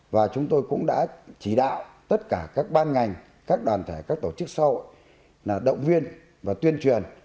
và chúng tôi cũng đã chỉ đạo tất cả các ban ngành các đoàn thể các tổ chức sau là động viên và tuyên truyền